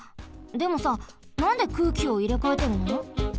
でもさなんで空気をいれかえてるの？